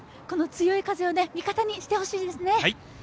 この強い風を味方にしてほしいですね。